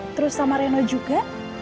terus sama reno juga